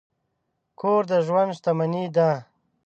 کور د ژوند شتمني ده.